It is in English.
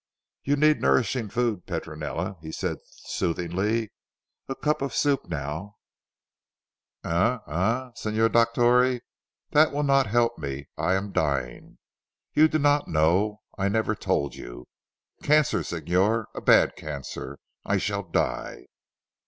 "You need nourishing food Petronella," he said soothingly, "a cup of soup now " "Eh! Eh Signor Dottore that 'will not help me. I am dying. You do not know. I have never told you. Cancer Signor a bad cancer. I shall die."